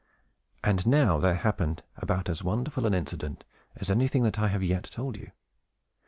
And now there happened about as wonderful an incident as anything that I have yet told you.